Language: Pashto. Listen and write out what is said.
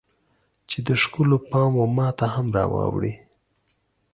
چې د ښکلو پام و ماته هم راواوړي